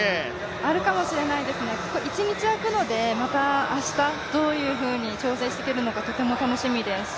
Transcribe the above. あるかもしれないですね、１日空くので、また明日、どういうふうに調整してくるのか、とても楽しみです。